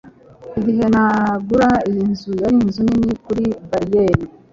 igihe nagura iyi nzu, yari inzu nini kuri bariyeri